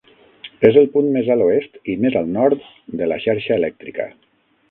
És el punt més a l'oest i més al nord de la xarxa elèctrica.